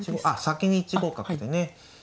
先に１五角でね。